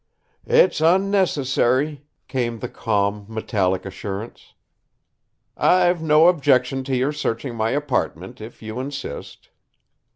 "It's unnecessary," came the calm, metallic assurance. "I've no objection to your searching my apartment, if you insist."